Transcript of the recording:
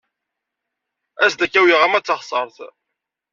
As-d ad k-awyeɣ arma d taɣsert.